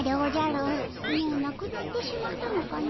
もうなくなってしまったのかの。